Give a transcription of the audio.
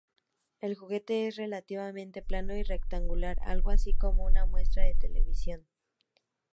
El juguete es relativamente plano y rectangular, algo así como una muestra de televisión.